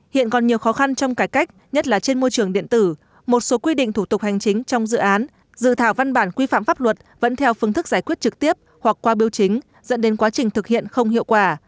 hiện còn nhiều khó khăn trong cải cách nhất là trên môi trường điện tử một số quy định thủ tục hành chính trong dự án dự thảo văn bản quy phạm pháp luật vẫn theo phương thức giải quyết trực tiếp hoặc qua biểu chính dẫn đến quá trình thực hiện không hiệu quả